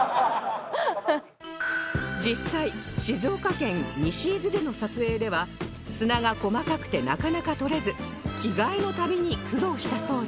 実際静岡県西伊豆での撮影では砂が細かくてなかなか取れず着替えの度に苦労したそうです